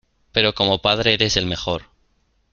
pero como padre eres el mejor.